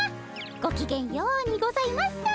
ごきげんようにございます。